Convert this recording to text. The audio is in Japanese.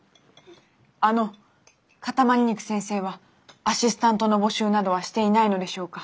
あの塊肉先生はアシスタントの募集などはしていないのでしょうか？